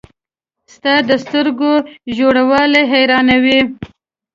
• ستا د سترګو ژوروالی حیرانوي.